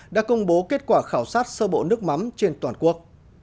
đã công bố kết quả khảo sát sơ bộ nước mắm trên toàn quốc